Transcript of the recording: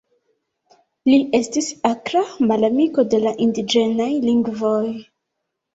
Li estis akra malamiko de la indiĝenaj lingvoj.